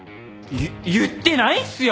言ってないっすよ。